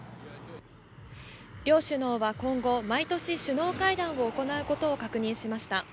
両首脳は今後、毎年、首脳会談を行うことを確認しました。